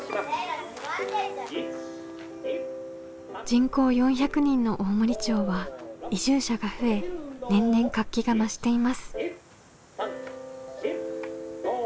人口４００人の大森町は移住者が増え年々活気が増しています。